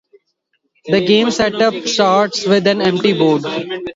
The game set up starts with an empty board.